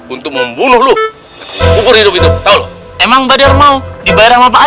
untuk membunuh lu ukur hidup itu tahu lo emang badar mau dibayar sama siapa lu ya